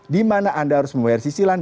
dimana anda harus membayar sisilan